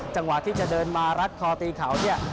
จังหวะที่จะเดินมารัดคอตีเขาเนี่ย